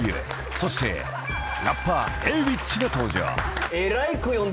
［そしてラッパーＡｗｉｃｈが登場］